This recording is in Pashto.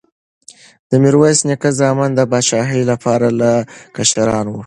د میرویس نیکه زامن د پاچاهۍ لپاره لا کشران وو.